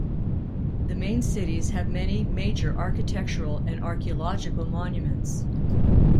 The main cities have many major architectural and archeological monuments.